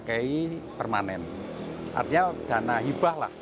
bisa mempunyai satu penghasilan yang lumayan